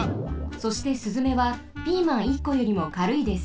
そしてスズメはピーマン１こよりもかるいです。